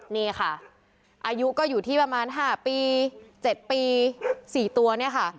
นี่ค่ะอายุก็อยู่ที่ประมาณ๕ปี๗ปี๔ตัวเนี่ยค่ะ